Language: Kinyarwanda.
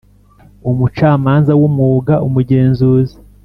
Umucamanza w umwuga umugenzuzi